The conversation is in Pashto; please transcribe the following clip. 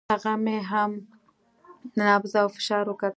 هغه مې هم نبض او فشار وکتل.